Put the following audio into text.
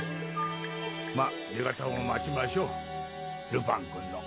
まぁ出方を待ちましょうルパン君の。